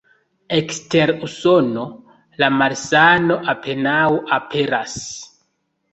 Ekster Usono, la malsano apenaŭ aperas.